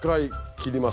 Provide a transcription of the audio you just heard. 切ります。